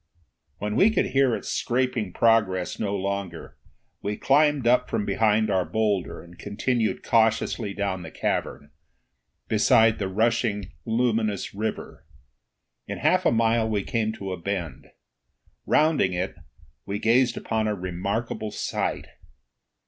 When we could hear its scraping progress no longer, we climbed up from behind our boulder and continued cautiously down the cavern, beside the rushing luminous river. In half a mile we came to a bend. Rounding it, we gazed upon a remarkable sight.